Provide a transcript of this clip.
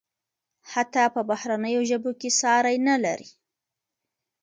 حتی په بهرنیو ژبو کې ساری نلري.